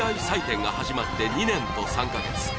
ＡＩ採点が始まって２年と３か月。